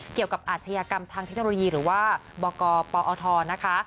อาชญากรรมทางเทคโนโลยีหรือว่าบกปอทนะคะ